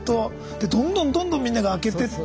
でどんどんどんどんみんなが開けてって。